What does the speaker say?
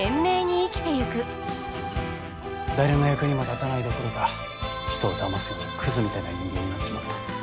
誰の役にも立たないどころか人をだますようなクズみたいな人間になっちまった。